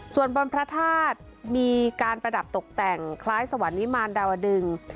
ส่วนบนพระธาตุมีการประดับตกแต่งคล้ายสวรรค์นิมารดาวดึง